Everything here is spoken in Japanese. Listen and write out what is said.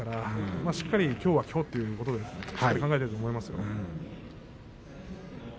しっかりときょうはいこうということを考えていると思います。